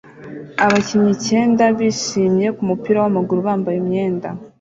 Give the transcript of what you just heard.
Abakinnyi icyenda bishimye kumupira wamaguru bambaye imyenda